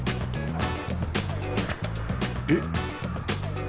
えっ？